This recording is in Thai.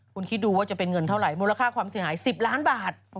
คุณคิดดูว่าจะเป็นเงินเท่าไหร่มูลค่าความเสียหาย๑๐ล้านบาท